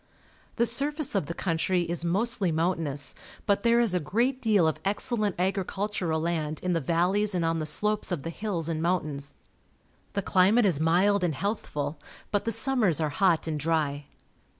The surface of the country is mostly mountainous, but there is a great deal of excellent agricultural land in the valleys and on the slopes of the hills and mountains. The climate is mild and healthful, but the summers are hot and dry.